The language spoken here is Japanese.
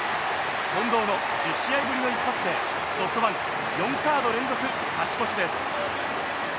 近藤の１０試合ぶりの一発でソフトバンク、４カード連続勝ち越しです。